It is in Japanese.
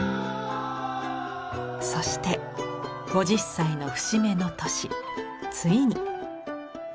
そして５０歳の節目の年ついに。